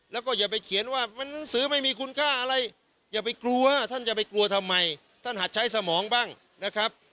แล้วก็อย่าไปเขียนว่าหนังสือไม่มีคุณค่าอะไรอย่าไปกลัวท่านจะไปกลัวทำไมท่านหัดใช้สมองบ้างนะครับ